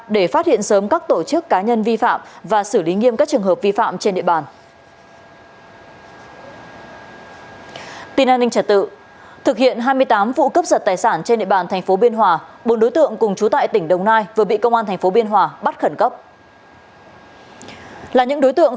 để phát hiện sớm các tổ chức cá nhân vi phạm và xử lý nghiêm các trường hợp vi phạm trên địa bàn